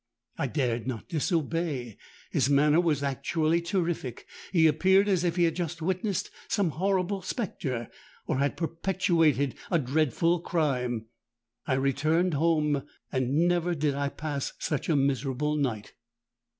I dared not disobey—his manner was actually terrific. He appeared as if he had just witnessed some horrible spectre, or had perpetrated a dreadful crime. I returned home; and never did I pass such a miserable night.